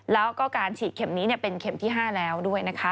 แล้วก็การฉีดเข็มนี้เป็นเข็มที่๕แล้วด้วยนะคะ